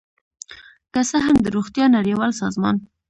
که څه هم د روغتیا نړیوال سازمان